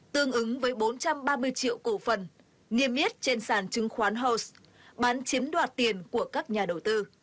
tương ứng với bốn trăm ba mươi triệu cổ phần nghiêm yết trên sàn chứng khoán hos bán chiếm đoạt tiền của các nhà đầu tư